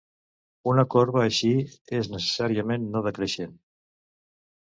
Una corba així és necessàriament no decreixent.